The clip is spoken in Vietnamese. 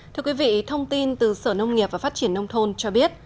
thưa quý vị thông tin từ sở nông nghiệp và phát triển nông thôn cho biết